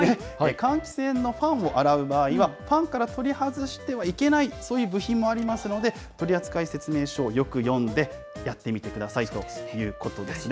換気扇のファンを洗う場合は、ファンから取り外してはいけない、そういう部品もありますので、取り扱い説明書をよく読んで、やってみてくださいということですね。